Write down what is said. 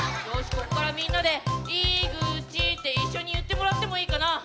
ここからみんなで「井口！」って一緒に言ってもらってもいいかな？